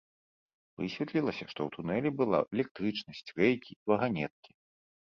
Высветлілася, што ў тунэлі была электрычнасць, рэйкі і ваганеткі!